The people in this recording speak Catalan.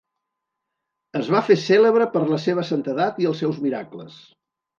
Es va fer cèlebre per la seva santedat i els seus miracles.